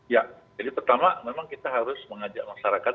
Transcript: ya jadi pertama memang kita harus mengajak masyarakat